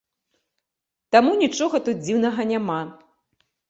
Таму нічога тут дзіўнага няма.